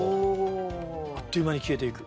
あっという間に消えていく。